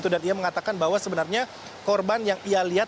dan dia mengatakan bahwa sebenarnya korban yang ia lihat